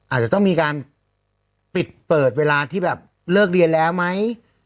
อาจจะต้องมีการปิดเปิดเวลาที่แบบเลิกเรียนแล้วไหม